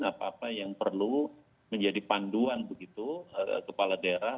apa apa yang perlu menjadi panduan begitu kepala daerah